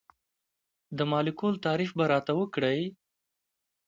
د مالیکول تعریف به راته وکړئ.